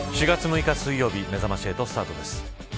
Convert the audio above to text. ４月６日水曜日めざまし８スタートです。